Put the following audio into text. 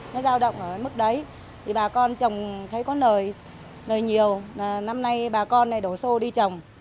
nó giao động ở mức đấy thì bà con trồng thấy có nời nhiều năm nay bà con đổ xô đi trồng